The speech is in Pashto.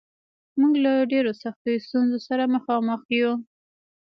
موږ له ډېرو سختو ستونزو سره مخامخ یو